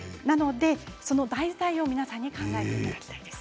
その題材を皆さんに考えていただきたいです。